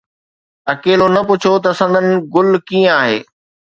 اڪيلو، نه پڇو ته سندن گل ڪيئن آهي